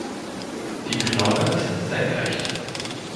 Die Knolle ist senkrecht.